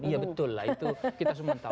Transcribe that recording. iya betul lah itu kita semua tahu